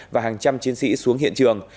và hàng trăm chiến sĩ xuống hiện trường